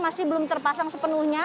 masih belum terpasang sepenuhnya